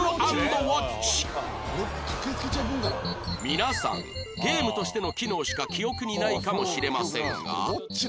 皆さんゲームとしての機能しか記憶にないかもしれませんが